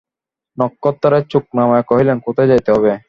নক্ষত্ররায় চোখ নামাইয়া কহিলেন, কোথায় যাইতে হইবে?